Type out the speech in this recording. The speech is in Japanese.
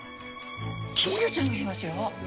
金魚ちゃんがいますよ。